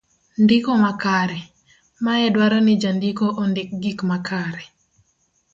ndiko makare. mae dwaro ni jandiko ondik gik makare